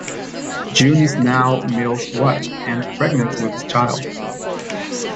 June is now Mill's wife and pregnant with his child.